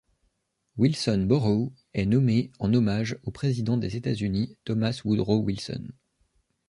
Wilson Borough est nommé en hommage au président des États-Unis Thomas Woodrow Wilson.